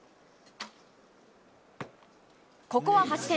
ここは８点。